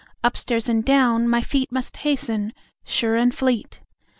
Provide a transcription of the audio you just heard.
Upstairs, and down, my feet Must hasten, sure and fleet.